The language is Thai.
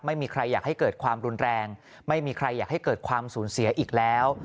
ไม่มีใครอยากให้เกิดความรุนแรงไม่มีใครอยากให้เกิดความสูญเสียอีกแล้ว